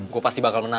gue pasti bakal menang